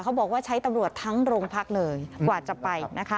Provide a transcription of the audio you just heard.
บอกว่าใช้ตำรวจทั้งโรงพักเลยกว่าจะไปนะคะ